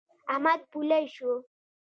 احمد پولۍ شو.